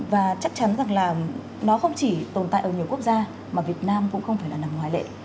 và chắc chắn rằng là nó không chỉ tồn tại ở nhiều quốc gia mà việt nam cũng không phải là nằm ngoại lệ